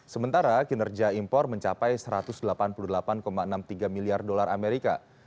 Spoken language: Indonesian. sementara kinerja impor mencapai satu ratus delapan puluh delapan enam puluh tiga miliar dolar amerika